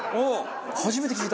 初めて聞いた。